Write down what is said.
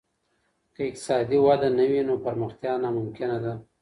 که اقتصادي وده نه وي نو پرمختيا ناممکنه ده.